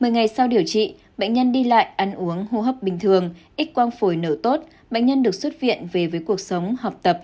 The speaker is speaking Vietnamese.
một mươi ngày sau điều trị bệnh nhân đi lại ăn uống hô hấp bình thường ít quang phổi nở tốt bệnh nhân được xuất viện về với cuộc sống học tập